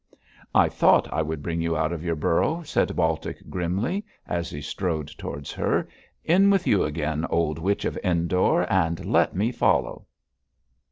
'I thought I would bring you out of your burrow,' said Baltic, grimly, as he strode towards her; 'in with you again, old Witch of Endor, and let me follow.'